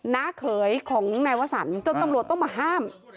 เขยของนายวสันจนตำรวจต้องมาห้าม